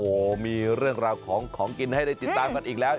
โอ้โหมีเรื่องราวของของกินให้ได้ติดตามกันอีกแล้ว